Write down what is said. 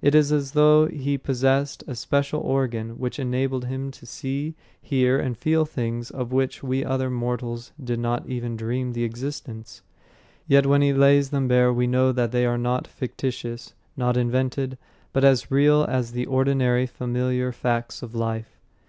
It is as though he possessed a special organ which enabled him to see, hear and feel things of which we other mortals did not even dream the existence. Yet when he lays them bare we know that they are not fictitious, not invented, but as real as the ordinary familiar facts of life.